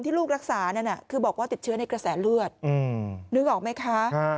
ลูกรักษานั่นคือบอกว่าติดเชื้อในกระแสเลือดนึกออกไหมคะ